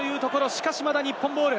しかし、まだ日本ボール。